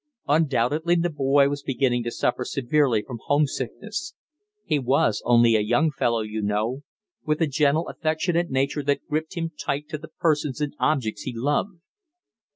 Undoubtedly the boy was beginning to suffer severely from homesickness he was only a young fellow, you know, with a gentle, affectionate nature that gripped him tight to the persons and objects he loved.